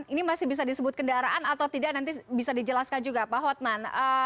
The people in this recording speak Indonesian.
ini masih bisa disebut kendaraan atau tidak nanti bisa dijelaskan juga pak hotman